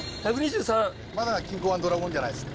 まだ錦江湾ドラゴンじゃないです。